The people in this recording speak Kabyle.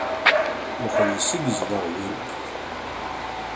Weḥd-s i yezdeɣ din.